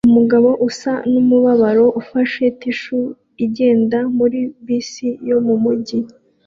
Umugabo usa numubabaro ufashe tissue igendera muri bisi yo mumujyi